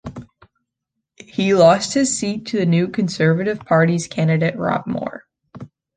He lost his seat to the new Conservative Party's candidate Rob Moore.